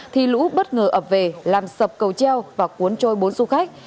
thì lũ bất ngờ ập về làm sập cầu treo và cuốn trôi bốn du khách